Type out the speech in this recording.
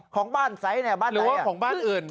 ของบ้านไซซ์บ้านไซซ์หรือว่าของบ้านอื่น